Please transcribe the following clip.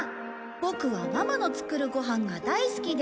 ぼくはママの作るご飯が大好きです」